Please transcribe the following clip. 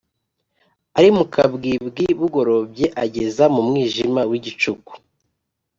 ari mu kabwibwi bugorobye, ageza mu mwijima w’igicuku